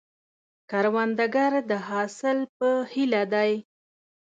کروندګر د حاصل په هیله دی